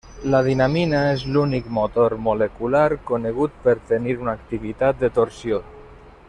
La dinamina és l'únic motor molecular conegut per tenir una activitat de torsió.